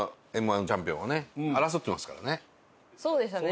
そうでしたね。